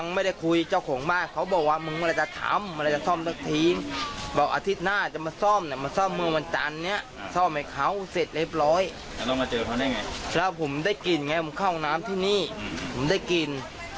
ผมได้กินไงผมเข้าน้ำที่นี่ผมได้กิน